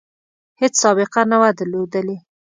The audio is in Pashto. هیڅ سابقه نه وه درلودلې.